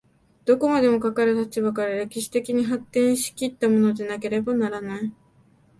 どこまでもかかる立場から歴史的に発展し来ったものでなければならない。